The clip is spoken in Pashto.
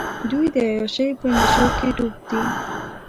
دوۍ د عیاشۍ په نېشوکې ډوب دي.